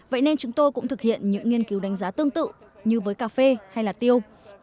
vậy nên chúng tôi cũng thực hiện những nghiên cứu đánh giá tương tự như với cà phê hay là tiêu